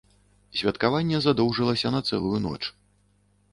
Святкаванне задоўжылася на цэлую ноч.